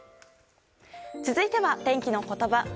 続いては天気のことば。